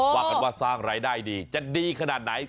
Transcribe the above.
ว่ากันว่าสร้างรายได้ดีจะดีขนาดไหน